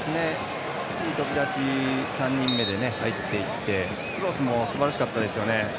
いい飛び出し３人目で入っていってクロスもすばらしかったですよね。